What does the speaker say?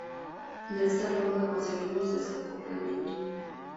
De esta forma, conseguimos desacoplamiento.